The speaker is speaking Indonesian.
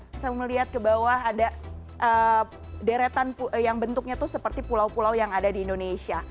kita melihat ke bawah ada deretan yang bentuknya itu seperti pulau pulau yang ada di indonesia